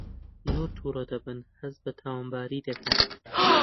زۆر تووڕە دەبن هەست بە تاوانباری دەکەن